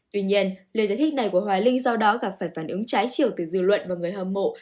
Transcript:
tuy nhiên lời giải thích này của hoài linh do đó gặp phải phản ứng trái chiều từ dư luận và người hâm mộ